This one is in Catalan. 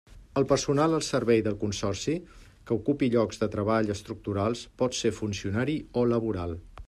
El personal al servei del Consorci que ocupi llocs de treball estructurals pot ser funcionari o laboral.